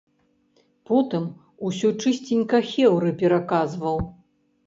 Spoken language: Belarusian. Потым усё чысценька хэўры пераказваў.